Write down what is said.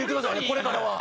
これからは。